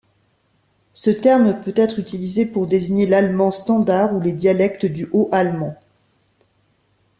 Ce terme peut-être utilisé pour désigner l'allemand standard ou les dialectes du haut allemand.